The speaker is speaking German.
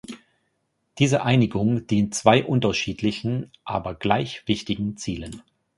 Diese Einigung dient zwei unterschiedlichen, aber gleich wichtigen Zielen.